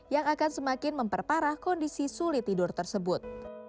yang akan semakin memperparah kondisi sulit tidur tersebut